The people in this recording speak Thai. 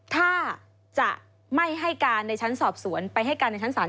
ถ้าจะไม่ให้การในชั้นสอบสวนไปให้การในชั้นศาล